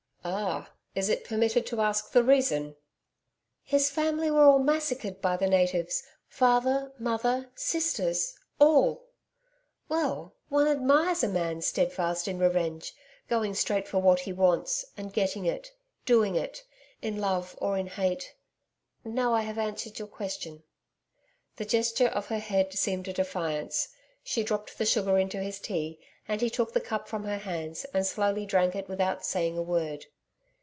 'Ah! Is it permitted to ask the reason?' 'His family were all massacred by the natives father, mother, sisters all. Well, one admires a man steadfast in revenge going straight for what he wants and getting it doing it in love or in hate. Now I have answered your question.' The gesture of her head seemed a defiance. She dropped the sugar into his tea, and he took the cup from her hands, and slowly drank it without saying a word.